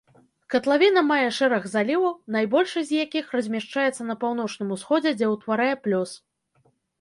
Катлавіна мае шэраг заліваў, найбольшы з якіх размяшчаецца на паўночным усходзе, дзе ўтварае плёс.